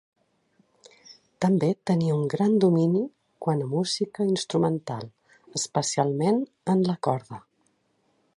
També tenia un gran domini quant a música instrumental, especialment en la corda.